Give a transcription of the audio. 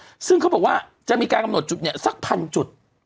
กำหนดจุดซึ่งเค้าบอกว่าจะมีการกำหนดจุดเนี่ย๑๐๐๐จุด